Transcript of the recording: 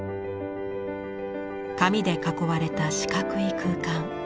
紙で囲われた四角い空間。